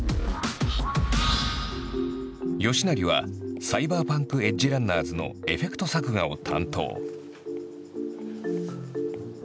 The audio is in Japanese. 吉成は「サイバーパンク：エッジランナーズ」のエフェクト作画を担当。